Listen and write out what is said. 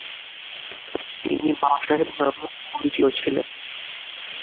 তিনি বাবাসাহেব নামেও পরিচিত ছিলেন।